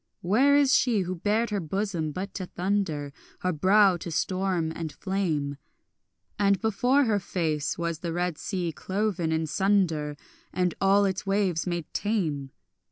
Where is she who bared her bosom but to thunder, Her brow to storm and flame, And before her face was the red sea cloven in sunder And all its waves made tame?